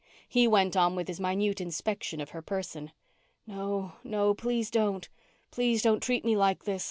He went on with his minute inspection of her person. _No no. Please don't. Please don't treat me like this.